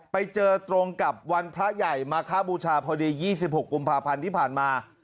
ไปเจอตรงกับวันพระใหญ่มาคบูชาพอดี๒๖กุมภาพันธ์ที่ผ่านมา